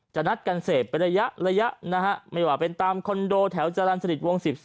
จะนัดการเสพไประยะไม่ว่าเป็นตามคอนโดแถวจรรย์สนิทวงศ์๑๓